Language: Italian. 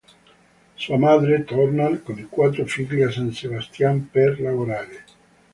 Sua madre torna con i quattro figli a San Sebastián per lavorare.